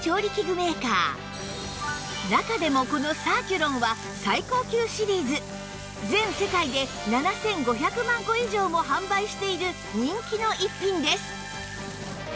中でもこのサーキュロンは最高級シリーズ全世界で７５００万個以上も販売している人気の逸品です